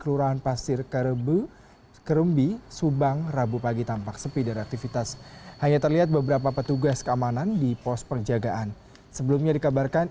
rumah dinas bupati subang imas aryuningsi ditangkap kpk selasa malam